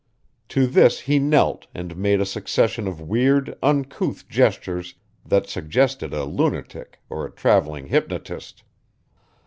To this he knelt and made a succession of weird, uncouth gestures that suggested a lunatic or a traveling hypnotist.